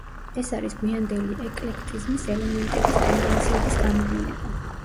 ეს არის გვიანდელი ეკლექტიზმის ელემენტების ტენდენციებს გამოვლინება.